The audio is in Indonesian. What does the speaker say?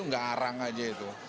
nggak arang aja itu